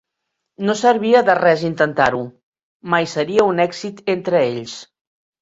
No servia de res intentar-ho: mai seria un èxit entre ells.